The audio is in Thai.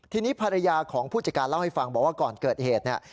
ทีนี้ภรรยาของผู้จัดการเล่าให้ฟังบอกว่าก่อนเกิดเหตุเนี่ย